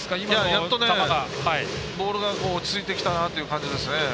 やっと、ボールが落ち着いてきたなという感じです。